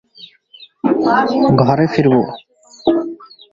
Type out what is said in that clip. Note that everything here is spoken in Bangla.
ঘরে ফিরব।